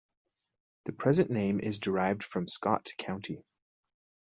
The present name is derived from Scott County.